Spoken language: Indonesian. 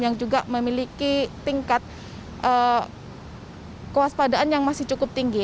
yang juga memiliki tingkat kewaspadaan yang masih cukup tinggi